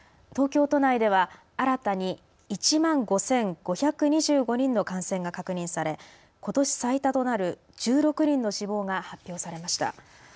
東京都内では新たに１万５５２５人の感染が確認されことし最多となる１６人の死亡が発表されました。